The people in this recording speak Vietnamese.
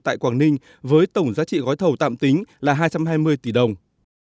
tại quảng ninh với tổng giá trị gói thầu tạm tính là hai trăm hai mươi tỷ đồng